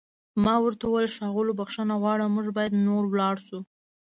ما ورته وویل: ښاغلو، بښنه غواړم موږ باید نور ولاړ شو.